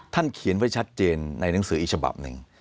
เขียนไว้ชัดเจนในหนังสืออีกฉบับหนึ่ง